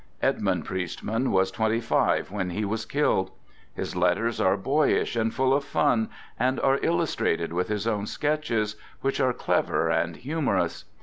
Edmund Priestman was twenty five when he was killed. His letters are boyish and full of fun, and are illustrated with his own sketches, which are clever and humorous.